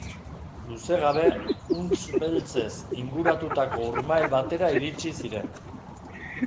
Luze gabe, huntz beltzez inguratutako urmael batera iritsi ziren.